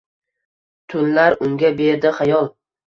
Tunlar unga berdi xayol